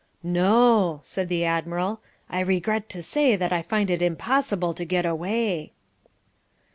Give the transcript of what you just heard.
"No," said the Admiral. "I regret to say that I find it impossible to get away."